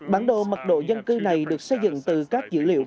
bản đồ mật độ dân cư này được xây dựng từ các dữ liệu